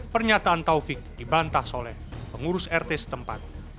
pernyataan taufik di bantah soleh pengurus rt setempat